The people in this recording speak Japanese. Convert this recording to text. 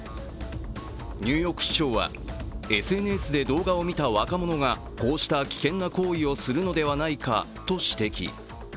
ニューヨーク市長はＳＮＳで動画を見た若者がこうした危険な行為をするのではないかと指摘。